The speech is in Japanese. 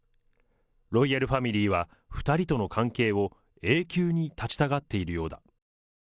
ロイヤルファミリーは、２人との関係を永久に絶ちたがっているようだ。